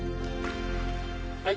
はい。